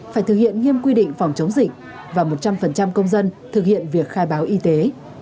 phải thực hiện nghiêm quy định phòng chống dịch và một trăm linh công dân thực hiện việc khai báo y tế